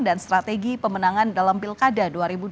dan strategi pemenangan dalam pilkada dua ribu dua puluh empat